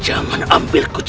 aku tidak peduli